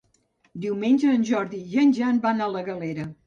Diumenge en Jordi i en Jan van a la Galera.